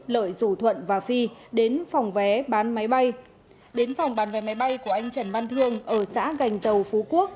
lợi dù thuận và phi đến phòng vé bán máy bay của anh trần văn thương ở xã gành dầu phú quốc